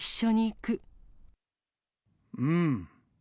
うん。